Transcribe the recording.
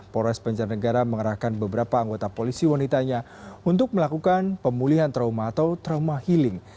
polres banjarnegara mengerahkan beberapa anggota polisi wanitanya untuk melakukan pemulihan trauma atau trauma healing